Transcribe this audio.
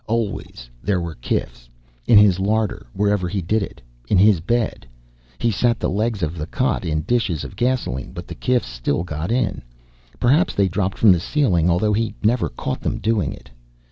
Always there were kifs. In his larder, wherever he did it. In his bed. He sat the legs of the cot in dishes of gasoline, but the kifs still got in. Perhaps they dropped from the ceiling, although he never caught them doing it.